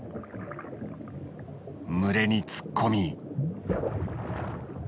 群れに突っ込み。